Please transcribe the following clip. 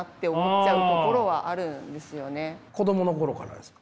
子どもの頃からですか？